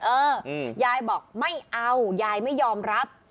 เออยายบอกไม่เอายายไม่ยอมรับ